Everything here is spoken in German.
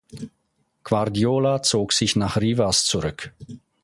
Guardiola zog sich nach Rivas zurück.